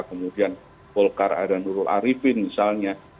kemudian volkar adanurul arifin misalnya